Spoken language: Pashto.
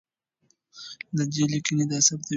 د ده لیکنې دا ثابتوي.